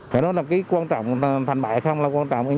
phải nói là cái quan trọng thành bại không là quan trọng